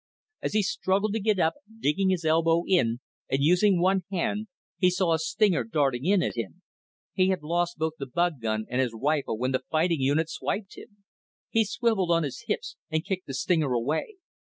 As he struggled to get up, digging his elbow in and using one hand, he saw a stinger darting in at him. He had lost both the bug gun and his rifle when the fighting unit swiped him. He swiveled on his hips and kicked the stinger away.